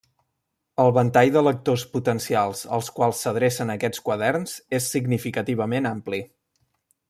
El ventall de lectors potencials als quals s'adrecen aquests quaderns és significativament ampli.